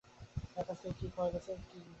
তাঁর কাছ থেকে কী খোয়া গেছে, তা জানা যায়নি।